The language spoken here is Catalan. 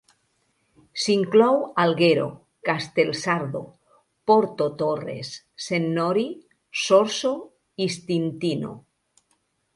S"inclou Alghero, Castelsardo, Porto Torres, Sennori, Sorso i Stintino.